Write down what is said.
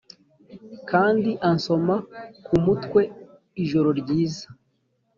kandi ansoma ku mutwe, "ijoro ryiza."